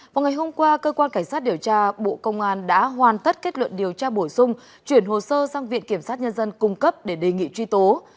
vào ngày hôm qua cơ quan cảnh sát điều tra bộ công an đã hoàn tất kết luận điều tra bổ sung chuyển hồ sơ sang viện kiểm sát nhân dân cung cấp để đề nghị truy tố